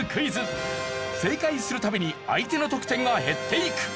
正解する度に相手の得点が減っていく。